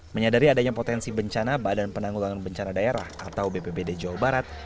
menyadari adanya potensi bencana badan penanggulangan bencana daerah atau bpbd jawa barat